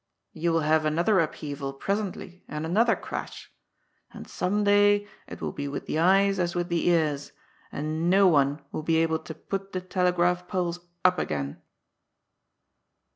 You will haye another upheayal presently and another crash, and some day it will be with the eyes as with the ears, and no one will be able to put the telegraph poles up again."